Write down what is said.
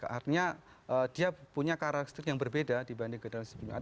artinya dia punya karakter yang berbeda dibanding generasi sebelumnya